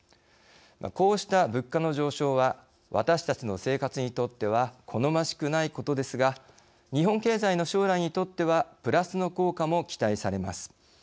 こうした物価の上昇は私たちの生活にとっては好ましくないことですが日本経済の将来にとってはプラスの効果も期待されます。